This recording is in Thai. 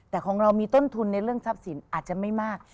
แต่ของเรามีต้นทุนในเรื่องทรัพย์สินอาจจะไม่มาก